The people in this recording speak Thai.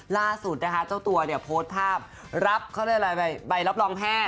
ล่าสุดเจ้าตัวโพสภาพรับไปรับรองแพทย์